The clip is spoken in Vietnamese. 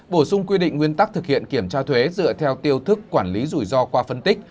bổ sung quy định nguyên tắc thực hiện kiểm tra thuế dựa theo tiêu thức quản lý rủi ro qua phân tích